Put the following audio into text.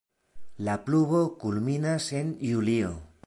La pluvo kulminas en julio.